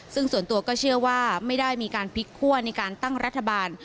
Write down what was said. ซึ่งส่วนตัวก็ไม่ได้มีคู่ในการตั้งรัฐบาล